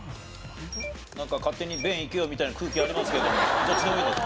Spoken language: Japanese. なんか勝手に「弁」いけよみたいな空気ありますけれどもどっちでもいいです。